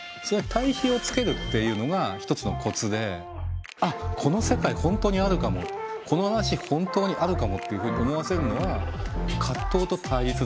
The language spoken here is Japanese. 対比をつけるっていうのが一つのコツであっこの世界本当にあるかもこの話本当にあるかもっていうふうに思わせるのは葛藤と対立だっていうね。